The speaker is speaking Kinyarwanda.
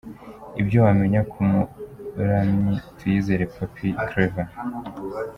Ibyo wamenya ku muramyi Tuyizere Pappy Clever.